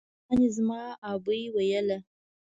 ګراني زما ابۍ ويله